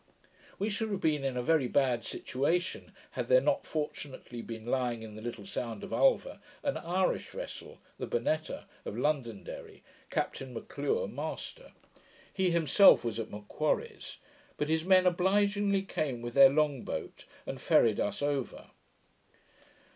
We should have been in a very bad situation, had there not fortunately been lying in the little sound of Ulva an Irish vessel, the Bonnetta, of Londonderry, Captain M'Lure, master. He himself was at M'Quarrie's; but his men obligingly came with their long boat, and ferried us over.